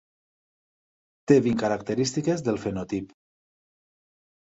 Té vint característiques del fenotip.